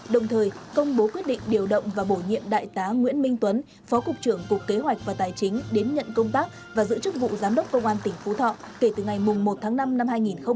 đồng thời công bố quyết định điều động và bổ nhiệm đại tá nguyễn minh tuấn phó cục trưởng cục kế hoạch và tài chính đến nhận công tác và giữ chức vụ giám đốc công an tỉnh phú thọ kể từ ngày một tháng năm năm hai nghìn hai mươi ba